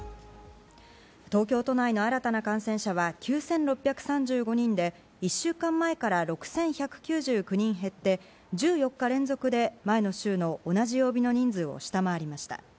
東京都内の新たな感染者は９６３５人で、１週間前から６１９９人減って、１４日連続で前の週の同じ曜日の人数を下回りました。